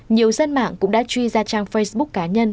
nhiều dân mạng cũng đã truy ra trang facebook cá nhân